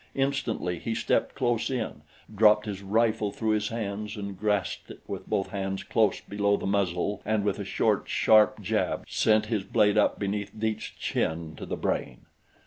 Instantly he stepped close in, dropped his rifle through his hands and grasped it with both hands close below the muzzle and with a short, sharp jab sent his blade up beneath Dietz's chin to the brain.